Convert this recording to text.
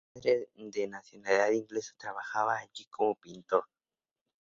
Su padre, de nacionalidad inglesa, trabajaba allí como pintor.